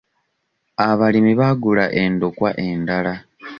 Abalimi baagula endokwa endala.